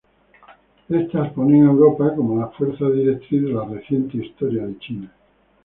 Estas ponen a Europa como la fuerza directriz de la reciente historia de China.